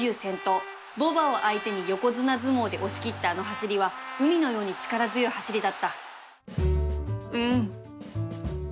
牡馬を相手に横綱相撲で押し切ったあの走りは海のように力強い走りだった